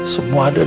semua ada disini